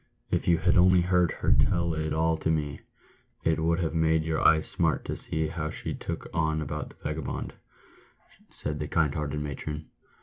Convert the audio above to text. " If you had only heard her tell it all to me, it would have made your eyes smart to see how she took on about the vagabond," said the kind hearted matron.